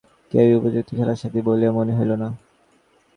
কেহই উপযুক্ত খেলার সাখী বলিয়া মনে হইল না।